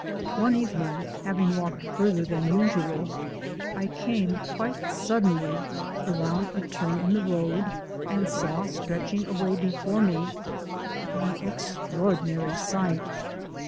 One evening, having walked farther than usual, I came quite suddenly around a turn in the road and saw stretching away before me an extraordinary sight.